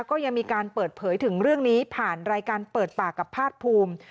ก็ยังมีการเปิดเผยถึงเรื่องนี้ผ่านรายการเปิดปากกับภาคภูมิ